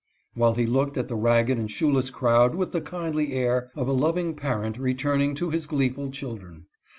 " while he looked at the ragged and shoeless crowd with the kindly air of a loving parent returning to his gleeful children.